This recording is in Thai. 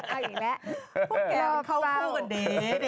เอาอีกแล้วพวกแกก็เข้าคู่กันดี